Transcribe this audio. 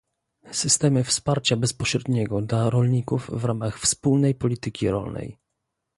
Systemy wsparcia bezpośredniego dla rolników w ramach wspólnej polityki rolnej